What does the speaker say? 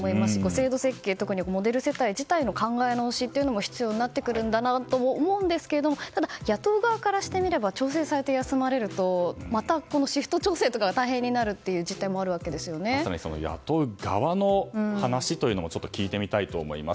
制度設計、特にモデル世帯自体の考え直しも必要になってくると思うんですがただ、野党側からしてみれば調整されて休まれるとまたシフト調整とかが雇う側の実態もちょっと聞いてみたいと思います。